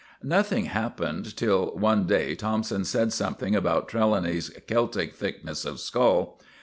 Nothing happened till one day Thompson said something about Trelawney's "Celtic thickness of skull."